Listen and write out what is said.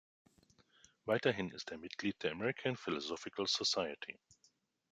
Weiterhin ist er Mitglied der American Philosophical Society.